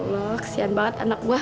loh kesian banget anak gue